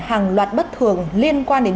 hàng loạt bất thường liên quan đến